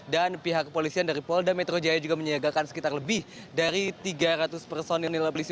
dan pihak kepolisian dari polda metro jaya juga menyiagakan sekitar lebih dari tiga ratus personil polisi